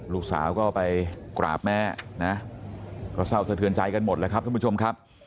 ลูกสาวก็ไปกราบแม่นะก็เศร้าสะเทือนใจกันหมดแล้วครับท่านผู้ชมครับ